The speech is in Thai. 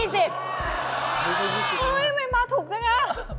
เฮ้ยไม่มาถูกจังนะ